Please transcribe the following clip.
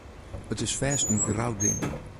It is fêst in grou ding.